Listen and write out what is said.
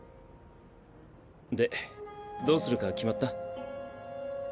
でどうするか決まった？